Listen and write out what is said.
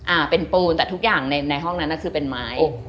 อ่าเป็นปูนแต่ทุกอย่างในในห้องนั้นน่ะคือเป็นไม้